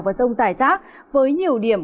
và rông giải rác với nhiều điểm